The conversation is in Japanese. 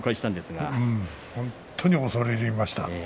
本当に恐れ入りました。